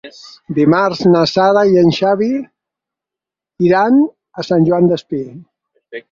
Dimarts na Sara i en Xavi iran a Sant Joan Despí.